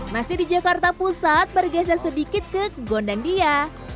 masih di jakarta pusat bergeser sedikit ke gondandia